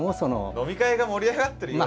飲み会が盛り上がってる様子を。